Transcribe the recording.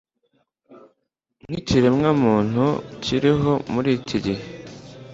n’ikiremwa muntu kiriho muri iki gihe!